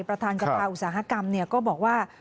ประธานสภาอุตสาหกรรมก็บอกว่า